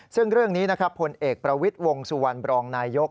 ซึ่งเรื่องนี้นะครับผลเอกประวิทย์วงสุวรรณบรองนายก